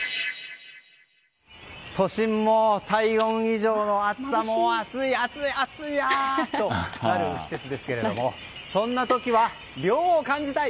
都心も体温以上の暑さもう暑い、暑いな！となる季節ですけどもそんな時は、涼を感じたい。